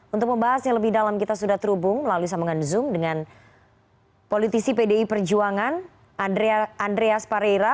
untuk membahas yang lebih dalam kita sudah terhubung melalui sambungan zoom dengan politisi pdi perjuangan andreas pareira